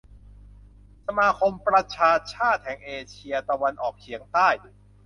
สมาคมประชาชาติแห่งเอเชียตะวันออกเฉียงใต้